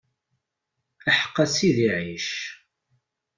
Aḥeq Sidi Ɛic.